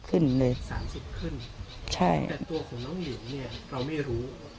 ๓๐ขึ้นแต่ตัวของน้องเหลวเราไม่รู้